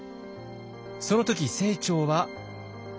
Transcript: その時清張は。